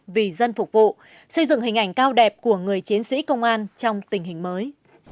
vì dân phục vụ xây dựng hình ảnh cao đẹp của người chiến sĩ công an trong tình hình mới